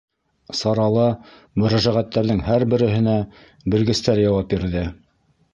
Сарала мөрәжәғәттәрҙең һәр береһенә белгестәр яуап бирҙе.